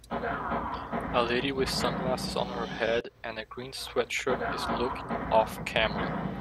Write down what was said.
A lady with sunglasses on her head and a green sweatshirt is looking offcamera.